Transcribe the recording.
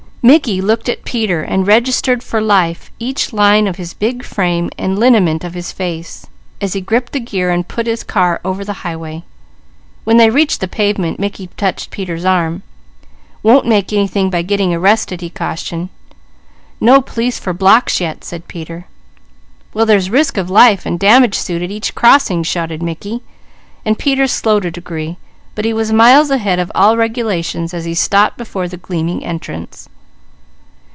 Mickey looked at Peter and registered for life each line of his big frame and lineament of his face, as he gripped the gear and put his car over the highway. When they reached the pavement, Mickey touched Peter's arm. "Won't make anything by getting arrested," he cautioned. "No police for blocks yet," said Peter. "Well there's risk of life and damage suit at each crossing!" shouted Mickey, so Peter slowed a degree; but he was miles ahead of all regulations as he stopped before the gleaming entrance.